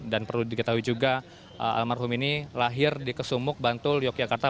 dan perlu diketahui juga almarhum ini lahir di kesumuk bantul yogyakarta